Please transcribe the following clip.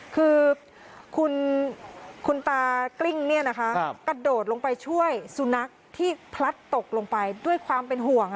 คือคุณตากลิ้งกระโดดลงไปช่วยสุนัขที่พลัดตกลงไปด้วยความเป็นห่วง